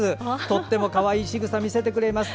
とてもかわいいしぐさを見せてくれます。